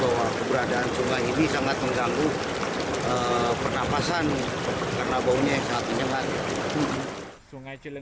bahwa keberadaan sungai ini sangat mengganggu pernapasan karena baunya yang sangat menyengat